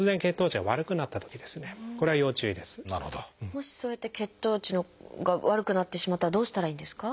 もしそうやって血糖値が悪くなってしまったらどうしたらいいんですか？